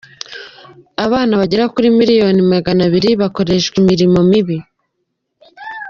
Abana bagera kuri miliyoni maganabiri bakoreshwa imirimo mibi